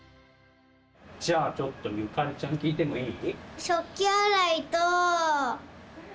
じゃあちょっとゆかりちゃん聞いてもいい？